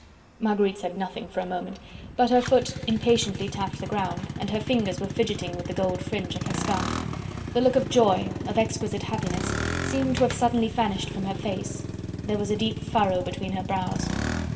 Marguerite said nothing for a moment, but her foot impatiently tapped the ground, and her fingers were fidgeting with the gold fringe of her scarf. The look of joy, of exquisite happiness, seemed to have suddenly vanished from her face; there was a deep furrow between her brows.